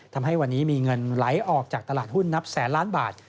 ทำให้วันนี้มีเงินไหลออกจากตลาดหุ้นนับแสนล้านบาท